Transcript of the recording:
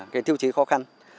cái tiêu chí khó khăn